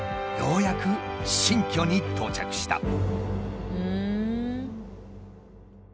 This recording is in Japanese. ようやく新居に到着した。